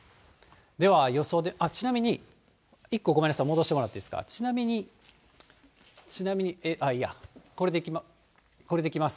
では、ちなみに、１個、ごめんなさい、戻してもらっていいですか、ちなみに、ああ、いいや、これでいきます。